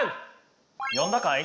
呼んだかい？